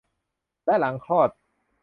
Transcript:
และหลังคลอด